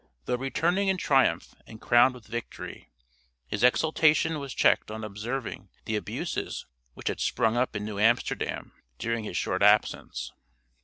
Though returning in triumph and crowned with victory, his exultation was checked on observing the abuses which had sprung up in New Amsterdam during his short absence.